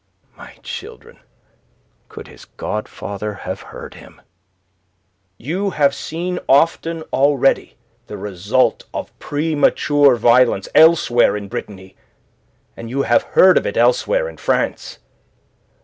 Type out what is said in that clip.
My children! Could his godfather have heard him! "You have seen often already the result of premature violence elsewhere in Brittany, and you have heard of it elsewhere in France.